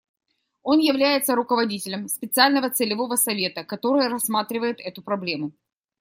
Он является руководителем специального целевого совета, который рассматривает эту проблему.